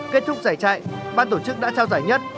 kết thúc giải chạy ban tổ chức đã trao giải nhất